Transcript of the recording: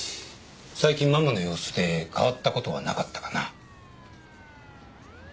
最近ママの様子で変わったことはなかったかな？